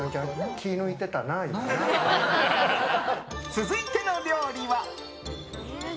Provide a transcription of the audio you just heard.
続いての料理は。